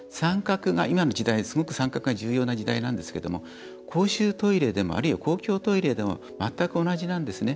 今の時代、すごく参画が重要な時代なんですけども公衆トイレでもあるいは公共トイレでも全く同じなんですね。